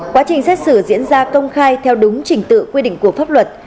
quá trình xét xử diễn ra công khai theo đúng trình tự quy định của pháp luật